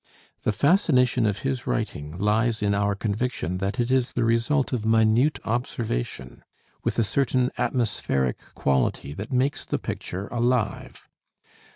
The fascination of his writing lies in our conviction that it is the result of minute observation, with a certain atmospheric quality that makes the picture alive.